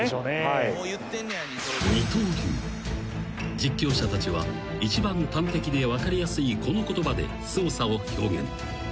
［実況者たちは一番端的で分かりやすいこの言葉ですごさを表現］